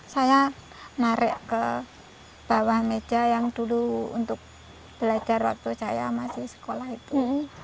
saya narik ke bawah meja yang dulu untuk belajar waktu saya masih sekolah itu